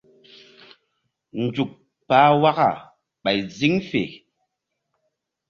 Nzuk pah waka ɓay ziŋ fe.